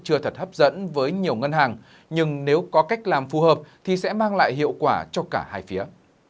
chưa thật hấp dẫn với nhiều ngân hàng nhưng nếu có cách làm phù hợp thì sẽ mang lại hiệu quả cho cả hai phía